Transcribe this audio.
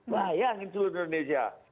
bayangin seluruh indonesia